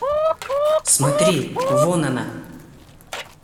Смотри, вон она!